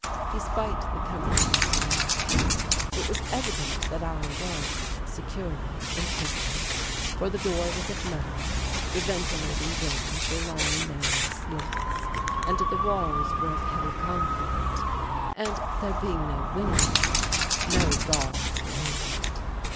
Despite the comfortable surroundings, it was evident that I was securely imprisoned, for the door was of metal, the ventilating gratings were long narrow slits, and the walls were of heavy concrete and there being no windows, no bars were needed.